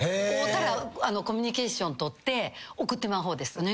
おうたらコミュニケーション取っておくってまう方です。